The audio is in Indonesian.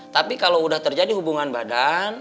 tapi kalo udah terjadi hubungan badan